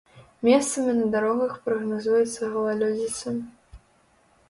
Месцамі на дарогах прагназуецца галалёдзіца.